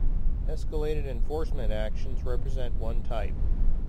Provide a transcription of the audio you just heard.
Escalated Enforcement Actions represent one type.